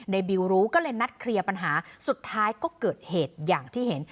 บิวรู้ก็เลยนัดเคลียร์ปัญหาสุดท้ายก็เกิดเหตุอย่างที่เห็น